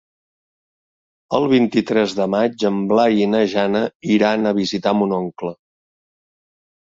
El vint-i-tres de maig en Blai i na Jana iran a visitar mon oncle.